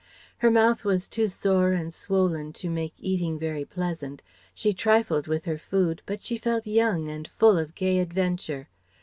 Her mouth was too sore and swollen to make eating very pleasant. She trifled with her food but she felt young and full of gay adventure.